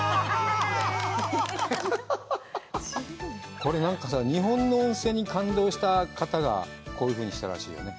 これなんかさ、日本の温泉に感動した方がこういうふうにしたらしいよね。